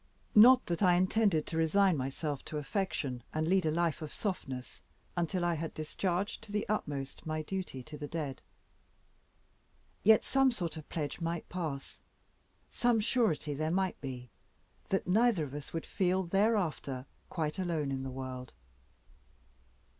Not that I intended to resign myself to affection, and lead a life of softness, until I had discharged to the utmost my duty to the dead. Yet some sort of pledge might pass some surety there might be, that neither of us would feel thereafter quite alone in the world.